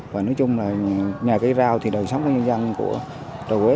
và nói chung là nhà cây rau thì đời sống của nhân dân của rau trà quế